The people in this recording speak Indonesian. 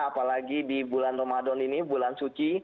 apalagi di bulan ramadan ini bulan suci